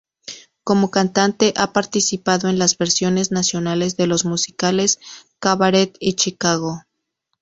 Como cantante ha participado en las versiones nacionales de los musicales "Cabaret" y "Chicago".